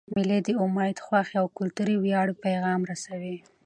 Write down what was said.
مېلې د امید، خوښۍ، او کلتوري ویاړ پیغام رسوي.